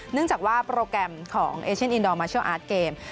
เนื่องจากว่าโปรแกรมของเอเชียนอินดอร์มาเชียลอาร์ตเกม